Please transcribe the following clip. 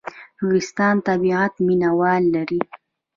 نورستان د طبیعت مینه وال لري